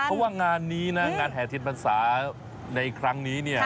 เพราะว่างานนี้นะงานแห่เทียนพรรษาในครั้งนี้เนี่ย